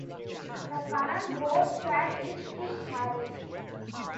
The current board chair is King Harris.